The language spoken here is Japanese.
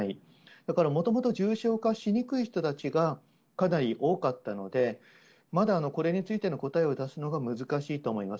だからもともと重症化しにくい人たちがかなり多かったので、まだこれについての答えを出すのが難しいと思います。